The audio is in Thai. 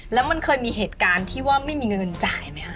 แล้วมันเคยมีเหตุการณ์ที่ว่าไม่มีเงินจ่ายไหมคะ